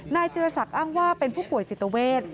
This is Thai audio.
จิรษักอ้างว่าเป็นผู้ป่วยจิตเวท